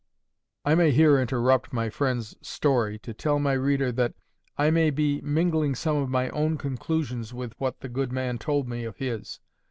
I may here interrupt my friend's story to tell my reader that I may be mingling some of my own conclusions with what the good man told me of his.